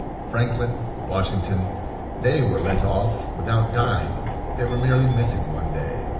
Franklin,—Washington,—they were let off without dying; they were merely missing one day.